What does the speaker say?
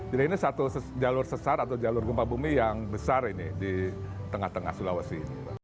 jadi ini satu jalur sesar atau jalur gempa bumi yang besar ini di tengah tengah sulawesi